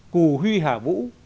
cù huy hả vũ